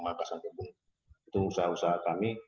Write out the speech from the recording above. makasan kebun itu usaha usaha kami